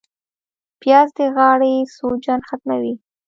پیاز د غاړې سوجن ختموي